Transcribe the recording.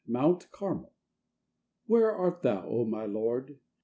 MOUNT CARMELWHERE art Thou, O my Lord?